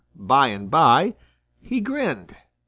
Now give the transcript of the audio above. By and by he grinned.